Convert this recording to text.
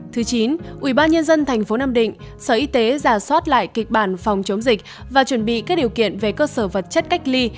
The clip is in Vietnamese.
thứ chín ubnd tp nam định sở y tế giả soát lại kịch bản phòng chống dịch và chuẩn bị các điều kiện về cơ sở vật chất cách ly